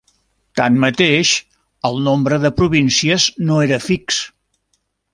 Tanmateix, el nombre de províncies no era fix.